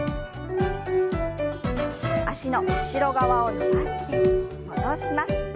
脚の後ろ側を伸ばして戻します。